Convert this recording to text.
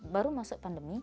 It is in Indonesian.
baru masuk pandemi